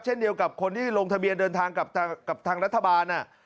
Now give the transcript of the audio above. เช่นเดียวกับคนที่ลงทะเบียนเดินทางกับทางรัฐบาล